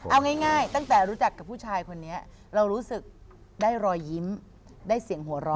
เอาง่ายตั้งแต่รู้จักกับผู้ชายคนนี้เรารู้สึกได้รอยยิ้มได้เสียงหัวเราะ